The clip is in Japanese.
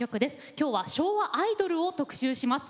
今夜は昭和アイドルを特集します。